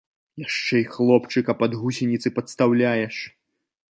Яшчэ і хлопчыка пад гусеніцы падстаўляеш.